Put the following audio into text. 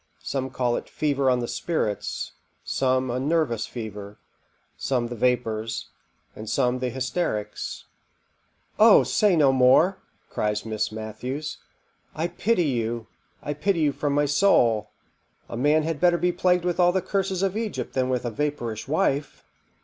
Some call it fever on the spirits, some a nervous fever, some the vapours, and some the hysterics. "O say no more," cries Miss Matthews; "I pity you, I pity you from my soul. A man had better be plagued with all the curses of Egypt than with a vapourish wife."